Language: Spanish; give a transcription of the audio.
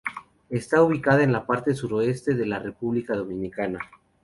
Está ubicada en la parte suroeste de la República Dominicana.